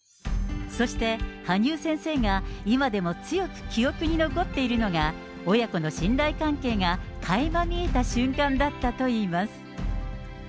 そして羽生先生が今でも強く記憶に残っているのが、親子の信頼関係がかいま見えた瞬間だったといいます。